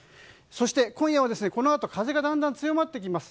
そして、今夜はこのあと風がだんだん強まってきます。